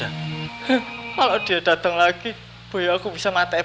heh kalau dia datang lagi boyo aku bisa mati berdiri di sini